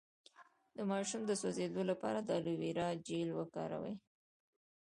د ماشوم د سوځیدو لپاره د الوویرا جیل وکاروئ